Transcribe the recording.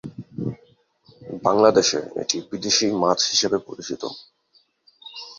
বাংলাদেশে এটি বিদেশী মাছ হিসাবে পরিচিত।